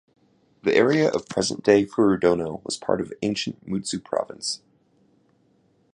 The area of present-day Furudono was part of ancient Mutsu Province.